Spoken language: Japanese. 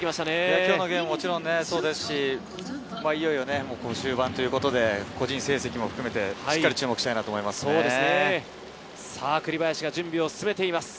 今日のゲームもそうですし、いよいよ終盤ということで、個人成績も含めてしっかり注目し栗林が準備を進めています。